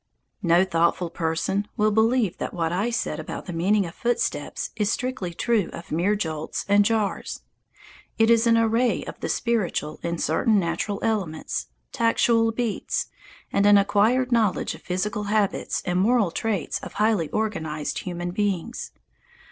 No thoughtful person will believe that what I said about the meaning of footsteps is strictly true of mere jolts and jars. It is an array of the spiritual in certain natural elements, tactual beats, and an acquired knowledge of physical habits and moral traits of highly organized human beings.